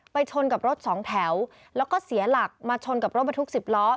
ชนกับรถสองแถวแล้วก็เสียหลักมาชนกับรถบรรทุก๑๐ล้อ